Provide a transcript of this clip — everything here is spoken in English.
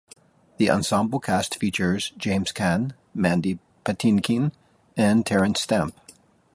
The ensemble cast features James Caan, Mandy Patinkin and Terence Stamp.